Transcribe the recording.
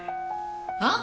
あ？